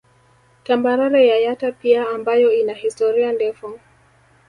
Tambarare ya Yatta pia ambayo ina historia ndefu